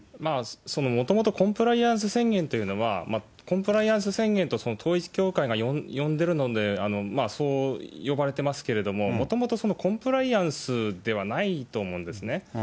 もともとコンプライアンス宣言というのは、コンプライアンス宣言と統一教会が呼んでるので、そう呼ばれてますけれども、もともとそのコンプライアンスではないと思うんですね。